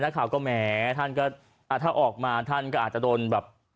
ข่าวก็แหมท่านก็ถ้าออกมาท่านก็อาจจะโดนแบบ